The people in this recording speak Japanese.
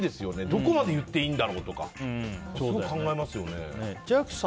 どこまで言っていいんだろうとかすごい考えますよね。